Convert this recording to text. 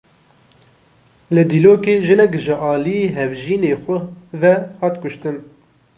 Li Dîlokê jinek ji aliyê hevjînê xwe ve hat kuştin.